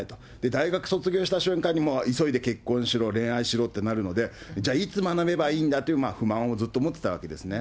大学卒業した瞬間に、もう急いで結婚しろ、恋愛しろってなるので、じゃあいつ学べばいいんだという不満をずっと持ってたわけですね。